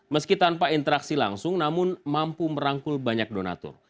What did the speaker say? meski tanpa interaksi langsung namun mampu merangkul banyak donatur